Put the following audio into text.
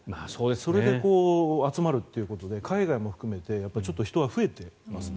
それで集まるということで海外も含めてちょっと人は増えていますね。